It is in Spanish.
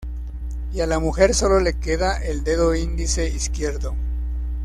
Y a la mujer solo le queda el dedo índice izquierdo.